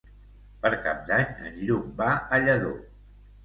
Per Cap d'Any en Lluc va a Lladó.